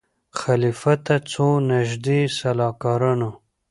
خلیفه ته څو نیژدې سلاکارانو